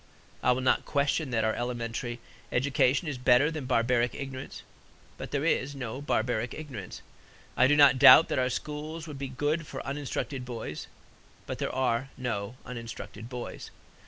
I will not question that our elementary education is better than barbaric ignorance. But there is no barbaric ignorance. I do not doubt that our schools would be good for uninstructed boys. But there are no uninstructed boys.